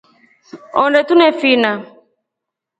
Onde tunefina.